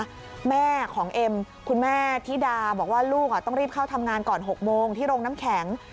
แม่ของเอ็มคุณแม่ธิดาบอกว่าลูกต้องรีบเข้าทำงานก่อน๖โมงที่โรงน้ำแข็ง